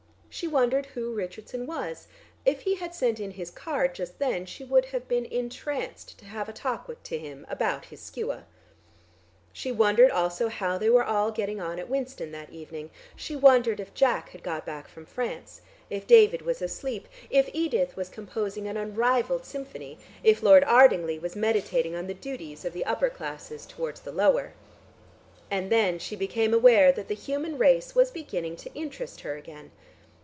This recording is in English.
She wondered who Richardson was; if he had sent in his card just then, she would have been entranced to have a talk to him about his Skua. She wondered also how they were all getting on at Winston that evening; she wondered if Jack had got back from France, if David was asleep, if Edith was composing an unrivalled symphony, if Lord Ardingly was meditating on the duties of the upper classes towards the lower.... And then she became aware that the human race was beginning to interest her again.